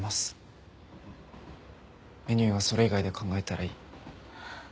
メニューはそれ以外で考えたらいい。